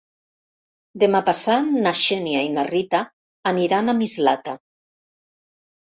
Demà passat na Xènia i na Rita aniran a Mislata.